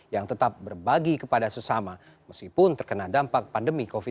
yang tetap berbagi kepada sesama meskipun terkena dampak pandemi covid sembilan belas